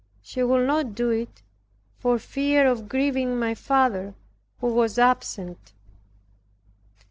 She would not do it, for fear of grieving my father, who was absent.